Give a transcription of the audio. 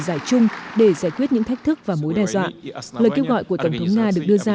giải chung để giải quyết những thách thức và mối đe dọa lời kêu gọi của tổng thống nga được đưa ra